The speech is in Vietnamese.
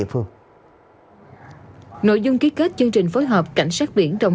với số tiền lên tới cả trăm triệu đồng